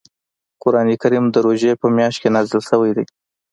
قران کریم د روژې په میاشت کې نازل شوی دی .